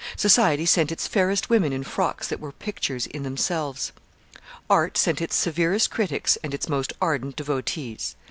Society sent its fairest women in frocks that were pictures in themselves. Art sent its severest critics and its most ardent devotees.